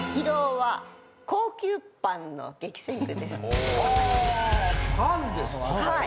はい。